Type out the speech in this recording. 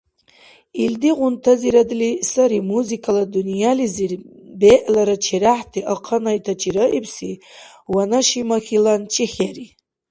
Илдигъунтазирадли сари музыкала дунъялизир бегӀлара черяхӀти ахъанайтачи раибси ванашимахьилан чехьери.